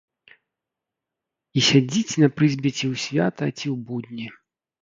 І сядзіць на прызбе ці ў свята, ці ў будні.